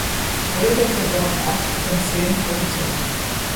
Holder vergab acht von zehn Punkten.